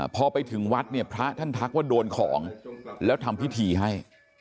พอไปถึงวัดเนี่ยพระท่านทักว่าโดนของแล้วทำพิธีให้